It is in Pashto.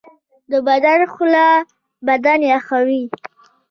د بدن خوله بدن یخوي